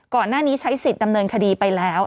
ก่อนหน้านี้ใช้สิทธิ์ดำเนินคดีไปแล้ว